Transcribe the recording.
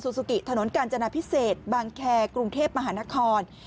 ซูกิถนนกาญจนาพิเศษบางแคร์กรุงเทพมหานคร